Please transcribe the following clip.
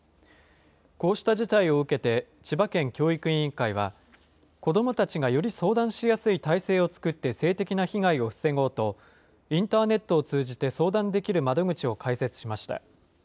こうした事態を受けて、千葉県教育委員会は、子どもたちがより相談しやすい体制を作って性的な被害を防ごうと、インターネットを通じて相談できる窓口を開設しました。